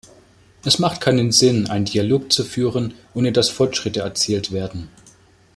Es macht keinen Sinn, einen Dialog zu führen, ohne dass Fortschritte erzielt werden.